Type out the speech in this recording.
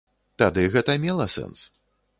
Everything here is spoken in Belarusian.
Тады гэта мела сэнс.